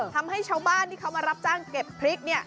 ทำให้ชาวบ้านที่เขามารับจ้างเก็บพริกเนี่ย